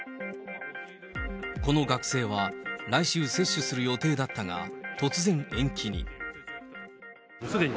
この学生は来週接種する予定だったが、突然、延期に。